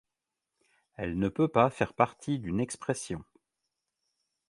Elle ne peut pas faire partie d'une expression.